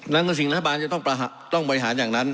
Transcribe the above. นั่นก็สิ่งรัฐบาลจะต้องบริหารอย่างนั้น